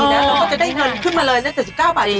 แล้วก็จะได้เงินขึ้นมาเลยนะ๗๙บาท